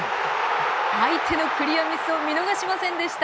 相手のクリアミスを見逃しませんでした。